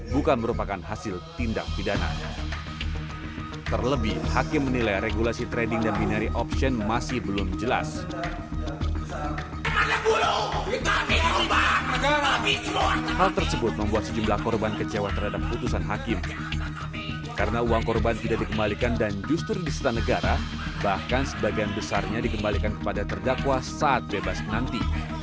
justru di setan negara bahkan sebagian besarnya dikembalikan kepada terdakwa saat bebas nanti